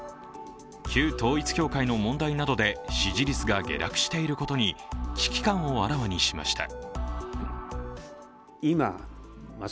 旧統一教会の問題などで支持率が下落していることに危機感をあらわにしました。